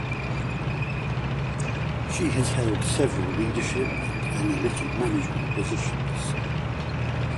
She has held several leadership and analytic management positions.